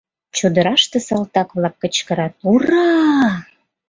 Чодыраште салтак-влак кычкырат: «Ура-а!..»